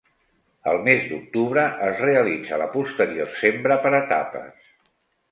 El mes d'octubre es realitza la posterior sembra per etapes.